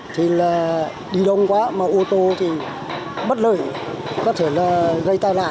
thì là đi đông quá mà ô tô thì bất lợi có thể là gây tai nạn